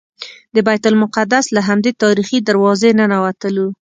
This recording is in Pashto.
د بیت المقدس له همدې تاریخي دروازې ننوتلو.